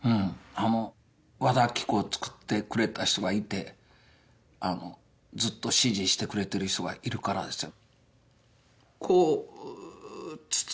あの和田アキ子を作ってくれた人がいてずっと支持してくれてる人がいるからですよ